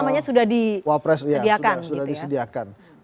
namanya sudah disediakan gitu ya